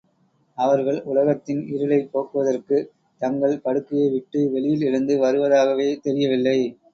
அவர்கள் உலகத்தின் இருளைப் போக்குவதற்குத் தங்கள் படுக்கையை விட்டு வெளியில் எழுந்து வருவதாகவே தெரியவில்லை.